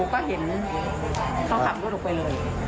หนูก็เห็นเขากับกันออกไปเลย